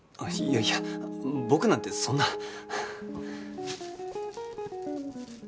いやいや僕なんてそんな。